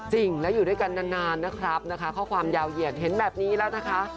จริงแล้วอยู่ด้วยกันนานนะครับนะคะข้อความยาวเหยียดเห็นแบบนี้แล้วนะคะ